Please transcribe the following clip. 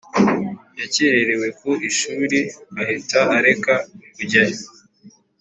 yakererewe ku ishuri ahita areka kujyayo